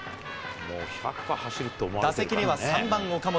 打席には３番岡本。